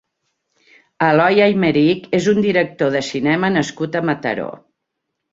Eloi Aymerich és un director de cinema nascut a Mataró.